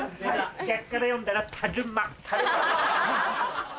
逆から読んだらタルマ。